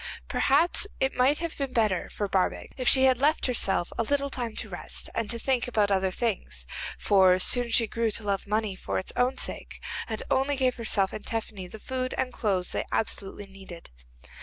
Perhaps it might have been better for Barbaik if she had left herself a little time to rest and to think about other things, for soon she grew to love money for its own sake, and only gave herself and Tephany the food and clothes they absolutely needed.